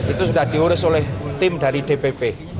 itu sudah diurus oleh tim dari dpp